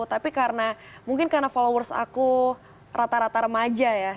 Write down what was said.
tapi karena mungkin karena followers aku rata rata remaja ya